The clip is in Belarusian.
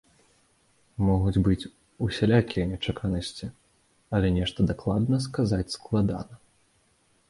Могуць быць усялякія нечаканасці, але нешта дакладна сказаць складана.